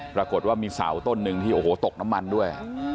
ปรากฏว่ามีเสาต้นหนึ่งที่โอ้โหตกน้ำมันด้วย